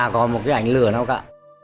còn một cái ảnh lửa nào cả